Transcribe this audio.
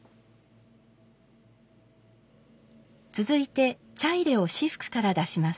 続いて茶入を仕覆から出します。